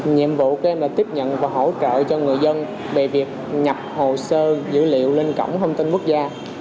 nhiệm vụ của em là tiếp nhận và hỗ trợ cho người dân về việc nhập hồ sơ dữ liệu lên cổng thông tin quốc gia